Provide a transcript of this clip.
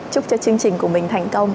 chúc cho chương trình của mình thành công